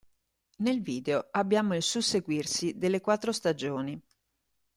Nel video abbiamo il susseguirsi delle quattro stagioni.